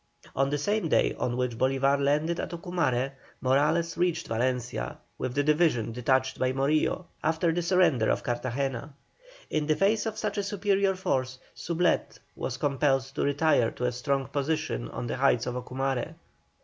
On the same day on which Bolívar landed at Ocumare, Morales reached Valencia, with the division detached by Morillo after the surrender of Cartagena. In the face of such a superior force, Soublette was compelled to retire to a strong position on the heights of Ocumare.